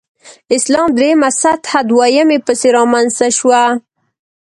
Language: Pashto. اسلام درېمه سطح دویمې پسې رامنځته شوه.